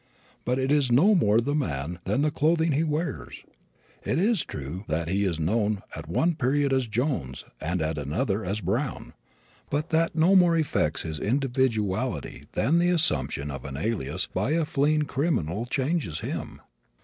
But it is no more the man than the clothing he wears. It is true that he is known at one period as Jones and at another as Brown, but that no more affects his individuality than the assumption of an alias by a fleeing criminal changes him.